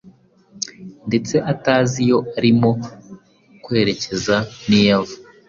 ndetse atazi iyo arimo kwerekeza n’iyo ava